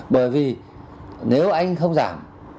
bởi vì nếu anh không giảm